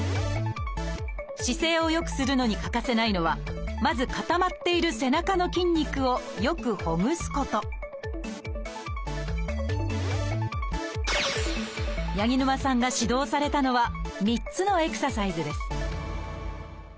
姿勢をよくするのに欠かせないのはまず固まっている背中の筋肉をよくほぐすこと八木沼さんが指導されたのは３つのエクササイズです